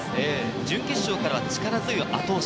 準決勝からは力強い後押し。